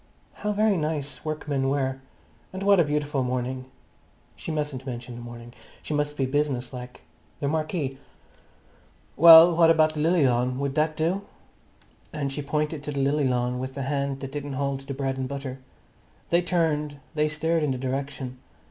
How very nice workmen were! And what a beautiful morning! She mustn't mention the morning; she must be business like. The marquee. "Well, what about the lily lawn? Would that do?" And she pointed to the lily lawn with the hand that didn't hold the bread and butter. They turned, they stared in the direction.